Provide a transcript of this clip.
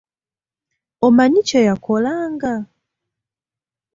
Omanyi kye yakolanga?